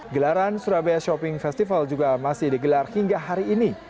gelaran surabaya shopping festival juga masih digelar hingga hari ini